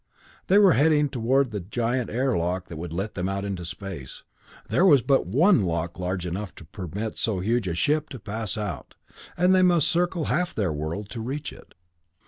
They were heading toward the giant airlock that would let them out into space. There was but one lock large enough to permit so huge a ship to pass out, and they must circle half their world to reach it.